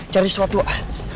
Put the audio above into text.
cari sesuatu wak